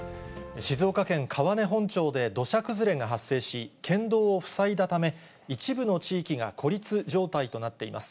静岡県川根本町で土砂崩れが発生し、県道を塞いだため、一部の地域が孤立状態となっています。